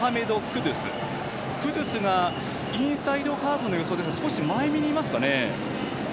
クドゥスがインサイドハーフの予想でしたが少し前めにいますかね？